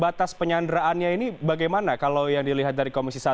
batas penyanderaannya ini bagaimana kalau yang dilihat dari komisi satu